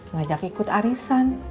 ngajak ikut arisan